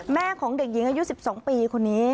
แม่ของเด็กหญิงอายุ๑๒ปีคนนี้